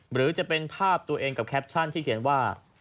หรือจะเป็นภาพตัวเองกับแคปชั่นที่เขียนว่า